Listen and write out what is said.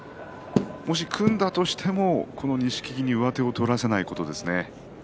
組んだとしても錦木に上手を取らせないことですね。